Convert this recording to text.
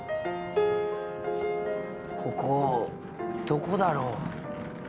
ここどこだろう。